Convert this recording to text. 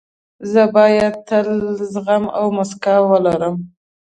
زه باید تل زغم او موسکا ولرم.